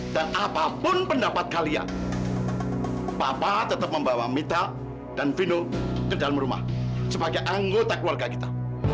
apapun pendapat kalian papa tetap membawa mital dan fino ke dalam rumah sebagai anggota keluarga kita